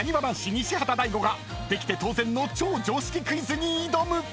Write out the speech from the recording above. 西畑大吾ができて当然の超常識クイズに挑む！］